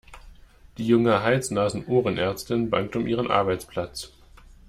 Die junge Hals-Nasen-Ohren-Ärztin bangt um ihren Arbeitsplatz.